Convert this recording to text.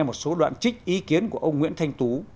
một số đoạn trích ý kiến của ông nguyễn thanh tú